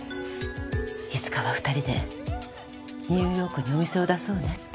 いつかは２人でニューヨークにお店を出そうねって。